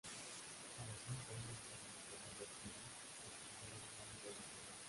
A los cinco años ya había aprendido a escribir y era un ávido lector.